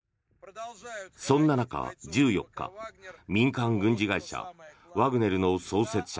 そんな中、１４日民間軍事会社ワグネルの創設者